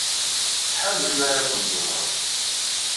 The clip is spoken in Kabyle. Tḥar melmi ara kent-tẓer.